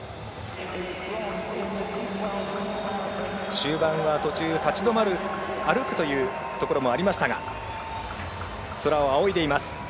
終盤は、途中立ち止まる歩くという場面もありましたが空を仰いでいます。